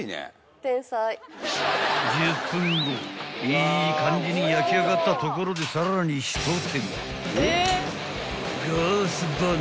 ［いい感じに焼き上がったところでさらに一手間］